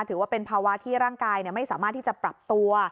ถือว่าเป็นภาวะที่ร่างกายไม่สามารถที่จะปรับตัว